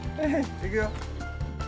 いくよ。